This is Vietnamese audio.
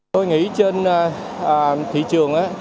tôi nghĩ trên thị trường